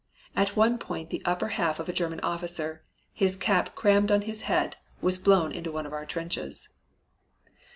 At one point the upper half of a German officer, his cap crammed on his head, was blown into one of our trenches.